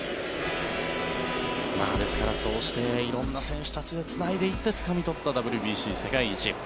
ですから、そうして色んな選手たちでつないでいってつかみ取ったＷＢＣ世界一。